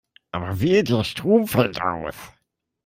Aber wehe, der Strom fällt aus.